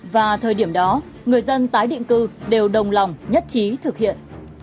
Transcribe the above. và thời điểm đó người dân tái định cư đều đồng lòng nhất trí thực hiện